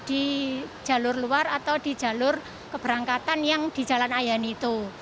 terminal jangan sampai naik base di jalur luar atau di jalur keberangkatan yang di jalan ayan itu